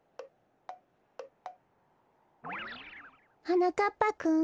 はなかっぱくん。